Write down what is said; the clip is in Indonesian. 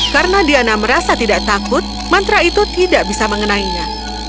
karena diana merasa tidak takut mantra itu tidak bisa mengenainya